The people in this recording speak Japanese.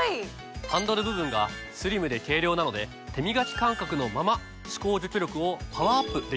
ハンドル部分がスリムで軽量なので手みがき感覚のまま歯垢除去力をパワーアップできるんです。